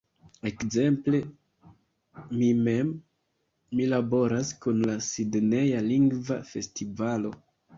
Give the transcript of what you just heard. Ekzemple, mi mem, mi laboras kun la Sidneja Lingva Festivalo.